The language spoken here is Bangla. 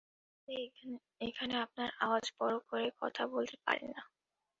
আপনি এখানে আপনার আওয়াজ বড় করে কথা বলতে পারেন না।